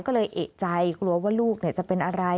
ก็เลยเอกใจกลัวว่าลูกจะเป็นอะไร